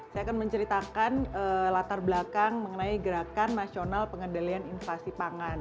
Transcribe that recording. saya akan menceritakan latar belakang mengenai gerakan nasional pengendalian inflasi pangan